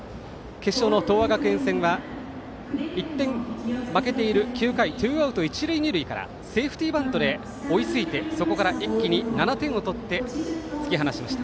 決勝の東亜学園戦では１点負けている９回ツーアウト、一塁二塁からセーフティーバントで追いついてそこから一気に７点を取って突き放しました。